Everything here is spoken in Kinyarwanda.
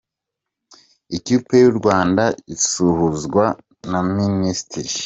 Ikipe y'u Rwanda isuhuzwa na Min.